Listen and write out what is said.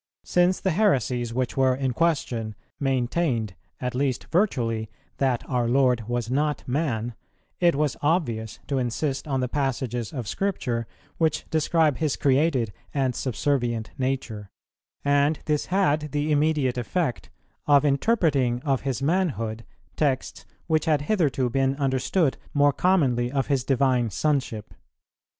Since the heresies, which were in question, maintained, at least virtually, that our Lord was not man, it was obvious to insist on the passages of Scripture which describe His created and subservient nature, and this had the immediate effect of interpreting of His manhood texts which had hitherto been understood more commonly of His Divine Sonship.